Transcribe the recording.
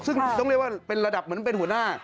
ซึ่งต้องเรียกว่าเป็นระดับเหมือนเป็นหัวหน้า